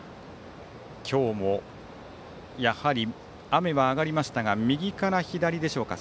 今日もやはり雨は上がりましたが右から左でしょうか。